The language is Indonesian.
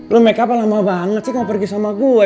lo makeupnya lama banget sih kenapa pergi sama gue